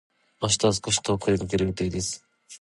明日は少し遠くへ出かける予定です。